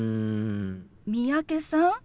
三宅さん